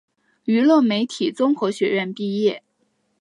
娱乐媒体综合学院毕业。